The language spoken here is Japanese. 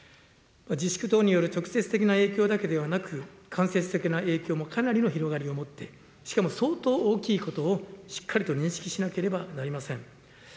自粛等による直接的な影響だけではなく、間接的な影響もかなりの広がりを持って、しかも相当大きいことをしっかりと認識しなければなりません。